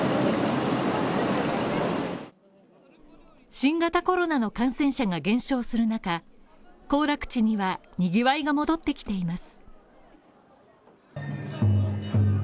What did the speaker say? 新型コロナの感染者が減少する中、行楽地には、にぎわいが戻ってきています